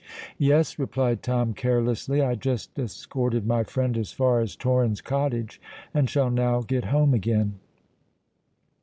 "Yes," replied Tom carelessly: "I just escorted my friend as far as Torrens Cottage, and shall now get home again."